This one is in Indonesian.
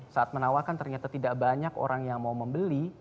saat menawarkan ternyata tidak banyak orang yang mau membeli